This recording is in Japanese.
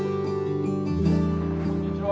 こんにちは。